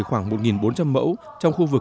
khoảng một bốn trăm linh mẫu trong khu vực